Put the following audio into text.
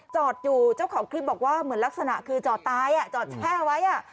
จอดอยู่เจ้าของคลิปบอกว่าเหมือนลักษณะคือจอดตายอ่ะจอดแช่ไว้